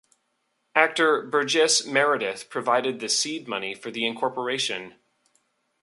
Actor Burgess Meredith provided the seed money for the incorporation.